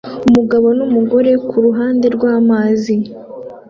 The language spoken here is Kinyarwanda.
Umugabo numugore kuruhande rwamazi